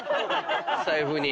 財布に。